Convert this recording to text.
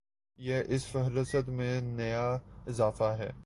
یہ اس فہرست میں نیا اضافہ ہے۔